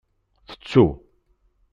Tettu.